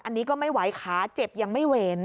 อันนี้ก็ไม่ไหวขาเจ็บยังไม่เวร